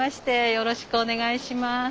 よろしくお願いします。